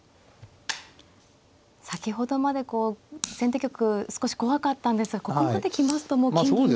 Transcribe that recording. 先ほどまでこう先手玉少し怖かったんですがここまで来ますともう金銀が。